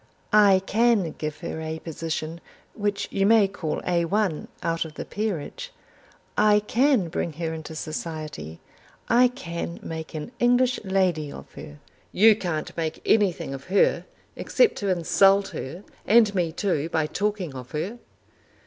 I can give her a position which you may call Al out of the Peerage. I can bring her into society. I can make an English lady of her." "You can't make anything of her, except to insult her, and me too by talking of her."